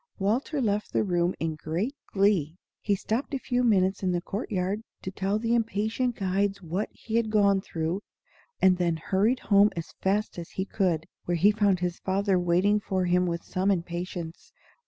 Walter left the room in great glee. He stopped a few minutes in the court yard to tell the impatient guides what he had gone through, and then hurried home as fast as he could, where he found his father waiting for him with some impatience.